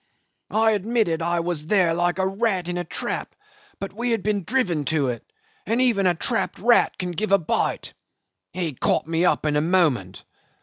I admitted I was there like a rat in a trap, but we had been driven to it, and even a trapped rat can give a bite. He caught me up in a moment.